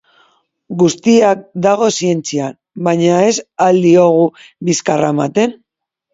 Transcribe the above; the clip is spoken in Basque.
Guztian dago zientzia, baina ez al diogu bizkarra ematen?